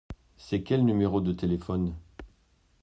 C’est quel numéro de téléphone ?